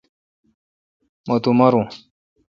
مہ تو مارو۔